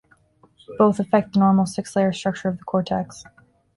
Both affect the normal six-layer structure of the cortex.